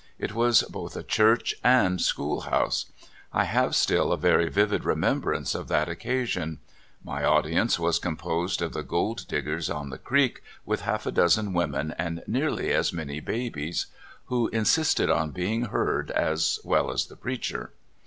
It was both a church and schoolhouse. I have still a very vivid remembrance of that occasion. My audience was composed of the gold diggers on the creek, with half a dozen women and nearly as many babies, who insisted on being heard as well as the preacher.